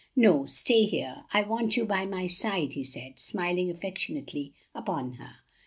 "No, stay here; I want you by my side," he said, smiling affectionately upon her.